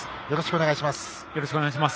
よろしくお願いします。